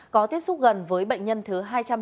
có tiếp xúc gần với bệnh nhân thứ hai trăm năm mươi bốn